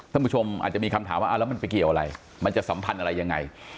ท่านผู้ชมอาจจะมีคำถามว่าแล้วมันไปเกี่ยวอะไรมันจะสัมพันธ์อะไรยังไง